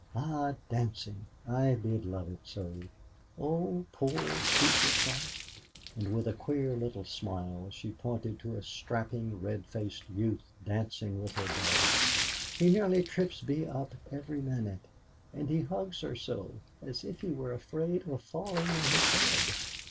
"Ah, dancing; I did so love it! Oh, poor Cecil Tharp!" And with a queer little smile she pointed to a strapping red faced youth dancing with her daughter. "He nearly trips Bee up every minute, and he hugs her so, as if he were afraid of falling on his head.